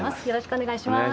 お願いします。